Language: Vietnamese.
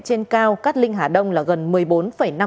trên cao cát linh hà đông là gần